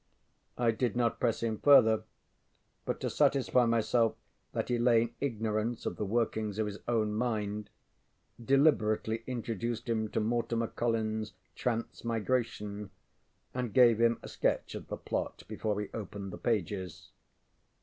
I did not press him further, but to satisfy myself that he lay in ignorance of the workings of his own mind, deliberately introduced him to Mortimer CollinsŌĆÖs ŌĆ£Transmigration, ŌĆØ and gave him a sketch of the plot before he opened the pages.